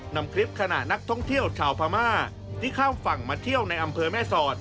นำคลิปขณะนักท่องเที่ยวชาวพม่าที่ข้ามฝั่งมาเที่ยวในอำเภอแม่สอด